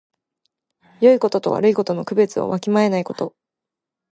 よいことと悪いことの区別をわきまえないこと。